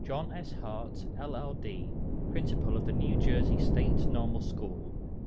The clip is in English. JOHN S. HART, LL. D., PRINCIPAL OF THE NEW JERSEY STATE NORMAL SCHOOL 1868.